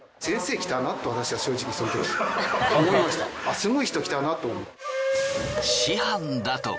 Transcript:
すごい人来たなと。